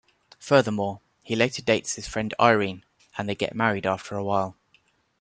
Furthermore, he later dates his friend Irene, and they get married after a while.